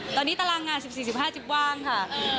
ตอนนี้ตารางงาน๑๔๑๕จิ๊บว่างค่ะ